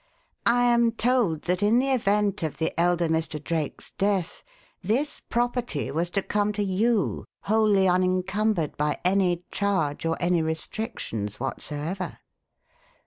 I am told that in the event of the elder Mr. Drake's death this property was to come to you wholly unencumbered by any charge or any restrictions whatsoever."